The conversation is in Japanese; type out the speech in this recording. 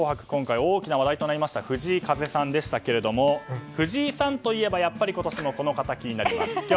今回大きな話題となった藤井風さんですが藤井さんといえばやっぱり今年もこの方気になります。